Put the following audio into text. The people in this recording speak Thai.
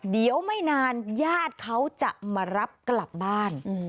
เดี๋ยวไม่นานญาติเขาจะมารับกลับบ้าน